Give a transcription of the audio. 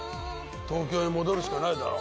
東京へ戻るしかないだろう。